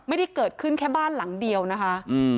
ไม่ได้เกิดขึ้นแค่บ้านหลังเดียวนะคะ